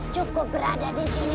cukup berada disini